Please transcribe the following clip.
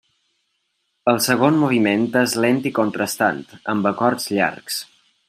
El segon moviment és lent i contrastant, amb acords llargs.